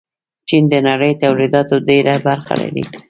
چین د نړۍ تولیداتو ډېره برخه لري.